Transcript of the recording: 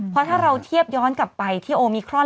เพราะถ้าเราเทียบย้อนกลับไปที่โอมิครอน